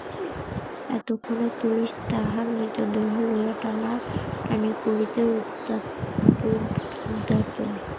এক্ষণে পুলিস তাহার মৃতদেহ লইয়া টানাটানি করিতে উদ্যত।